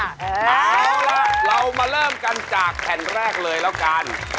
เอาละเรามาเริ่มกันจากแผ่นแรกเลยแล้วกัน